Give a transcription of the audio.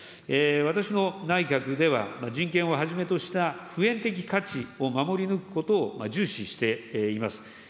私の内閣では、人権をはじめとした普遍的価値を守り抜くことを重視しています。